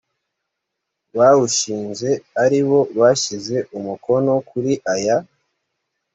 bawushinze aribo bashyize umukono kuri aya